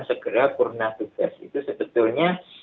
segera purna tugas itu sebetulnya